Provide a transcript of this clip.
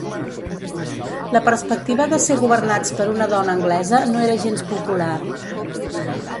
La perspectiva de ser governats per una dona anglesa no era gens popular.